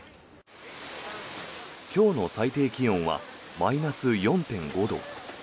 今日の最低気温はマイナス４．５度。